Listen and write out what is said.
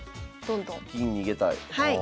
銀逃げたい。